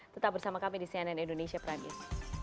tetap bersama kami di cnn indonesia pradis